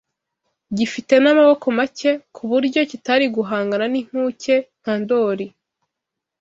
gifite n’amaboko make ku buryo kitari guhangana n’Inkuke nka Ndoli